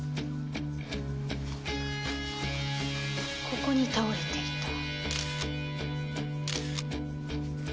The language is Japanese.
ここに倒れていた。